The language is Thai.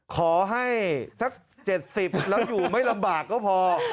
สัก๗๐แล้วอยู่ไม่ลำบากก็พอ